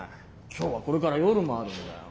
今日はこれから夜もあるんだよ。